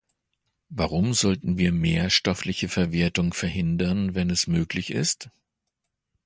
Warum sollten wir mehr stoffliche Verwertung verhindern, wenn es möglich ist?